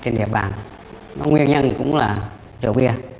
nguyên nhân cũng là rượu bia